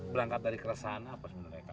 berangkat dari kerasa anak apa sebenarnya